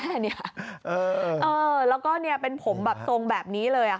เออแล้วก็เนี่ยเป็นผมสงแบบนี้เลย